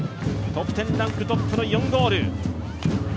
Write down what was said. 得点ランクトップの４ゴール。